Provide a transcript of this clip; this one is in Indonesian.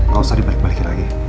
gak usah dibalik balikin lagi